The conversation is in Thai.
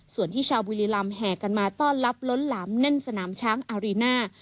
ส่วนที่ชาวบุรีรำแห่กันมาต้อนรับล้นหลามแน่นสนามช้างอารีน่า